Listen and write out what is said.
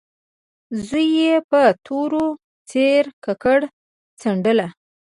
زوی يې په تروه څېره ککره څنډله.